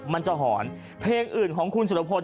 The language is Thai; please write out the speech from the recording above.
มันจะหอนเพลงอื่นของคุณสุรพล